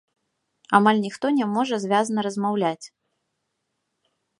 Амаль ніхто не можа звязна размаўляць.